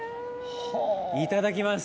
いただきます。